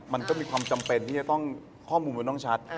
มันก็มีความจำเป็นเล่นชัด